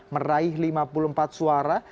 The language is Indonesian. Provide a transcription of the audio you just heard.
meraih lima puluh empat suara